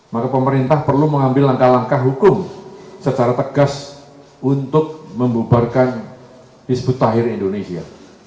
maka pemerintah perlu mengambil langkah langkah hukum secara tegas untuk membubarkan hizbut tahir indonesia